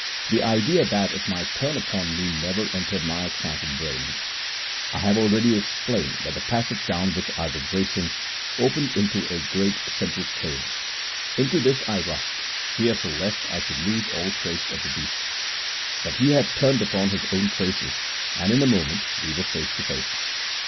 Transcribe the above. The idea that it might turn upon me never entered my excited brain. I have already explained that the passage down which I was racing opened into a great central cave. Into this I rushed, fearful lest I should lose all trace of the beast. But he had turned upon his own traces, and in a moment we were face to face.